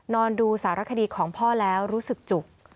นอนดูสารคดีของพ่อแล้วรู้สึกจุก